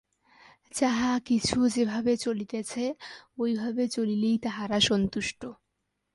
যাহা-কিছু যেভাবে চলিতেছে, ঐভাবে চলিলেই তাঁহারা সন্তুষ্ট।